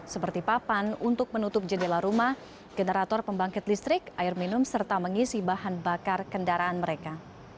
seperti papan untuk menutup jendela rumah generator pembangkit listrik air minum serta mengisi bahan bakar kendaraan mereka